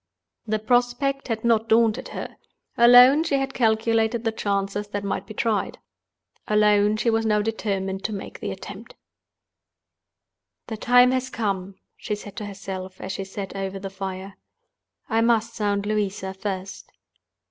The prospect had not daunted her. Alone she had calculated the chances that might be tried. Alone she was now determined to make the attempt. "The time has come," she said to herself, as she sat over the fire. "I must sound Louisa first."